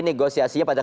nanti negosiasinya pada